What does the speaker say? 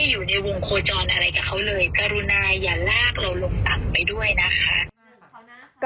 กรุณาอย่าลากเราลงต่ำไปด้วยนะคะ